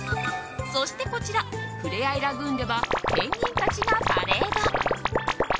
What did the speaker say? そして、こちらふれあいラグーンではペンギンたちがパレード。